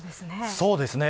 そうですね。